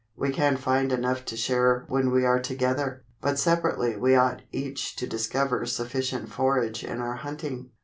We can't find enough to share when we are together, but separately we ought each to discover sufficient forage in our hunting."